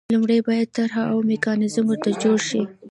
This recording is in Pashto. لومړی باید طرح او میکانیزم ورته جوړ شي.